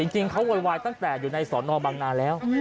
จริงเขาโวยวายตั้งแต่อยู่ในสอนอบังนาแล้ว